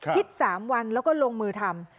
คิดสามวันแล้วก็ลงมือทำ